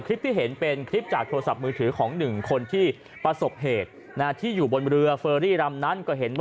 คลิปที่เห็นเป็นจากโทรศัพท์มือถือของ๑คนที่ประสบเหตุที่อยู่บนเรือเฟอรี่ล่ามนั้น